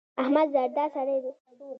احمد زردا سړی دی.